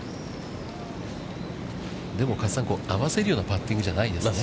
でも、加瀬さん、合わせるようなパッティングじゃないですね。